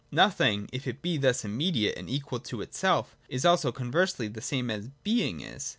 88.] Nothing, if it be thus immediate and equal to itself, is also conversely the same as Being is.